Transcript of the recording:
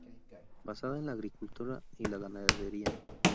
Basada en la agricultura y la ganadería.